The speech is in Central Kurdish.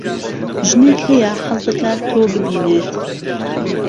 ژنێک هەیە حەز دەکات تۆ ببینێت.